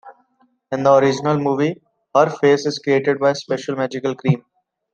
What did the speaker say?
In the original movie, her face is created by a special magical cream.